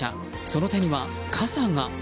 その手には傘が。